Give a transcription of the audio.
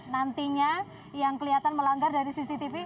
nantinya yang kelihatan melanggar dari cctv